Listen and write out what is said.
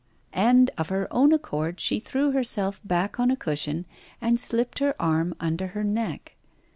And of her own accord she threw herself back on a cushion and slipped her arm under her neck.